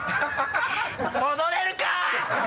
戻れるか！